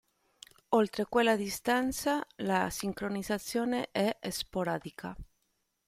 Oltre quella distanza, la sincronizzazione è sporadica.